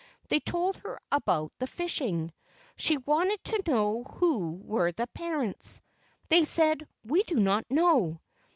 They told her about the fishing. She wanted to know who were the parents. They said: "We do not know.